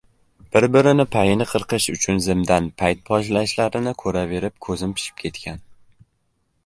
bir-birini payini qirqish uchun zimdan payt poylashlarni ko‘raverib ko‘zim pishib ketgan